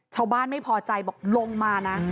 ชาวบ้านไม่พอใจบอกลงมานะ